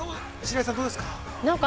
◆那須さん、どうですか．